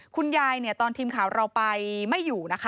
คุณยายตอนทีมข่าวเราไปไม่อยู่นะคะ